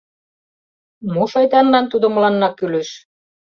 Мо шайтанлан тудо мыланна кӱлеш?